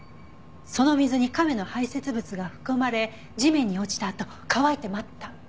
その水に亀の排泄物が含まれ地面に落ちたあと乾いて舞った。